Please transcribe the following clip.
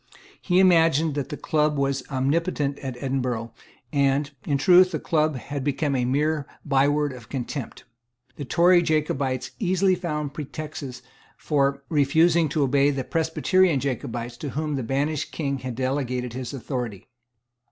He imagined that the Club was omnipotent at Edinburgh; and, in truth, the Club had become a mere byword of contempt. The Tory Jacobites easily found pretexts for refusing to obey the Presbyterian Jacobites to whom the banished King had delegated his authority.